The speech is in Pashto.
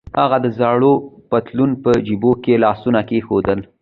هغه د زاړه پتلون په جبونو کې لاسونه کېښودل.